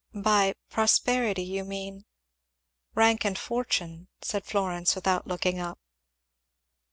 "By prosperity you mean ?" "Rank and fortune," said Florence, without looking up.